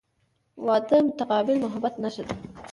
• واده د متقابل محبت نښه ده.